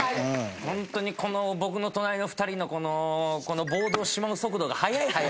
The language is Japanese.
ホントにこの僕の隣の２人のこのこのボードをしまう速度が早い早い。